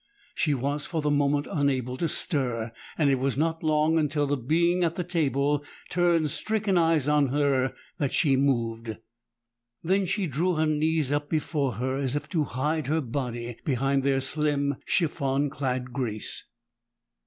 She was for the moment unable to stir, and it was not long until the being at the table turned stricken eyes on her that she moved. Then she drew her knees up before her, as if to hide her body behind their slim, chiffon clad grace.